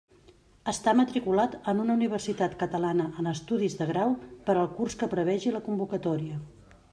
Estar matriculat en una universitat catalana en estudis de grau per al curs que prevegi la convocatòria.